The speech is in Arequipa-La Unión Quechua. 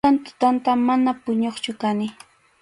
Tutan tutanta, mana puñuqchu kani.